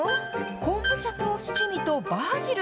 昆布茶と七味とバジル。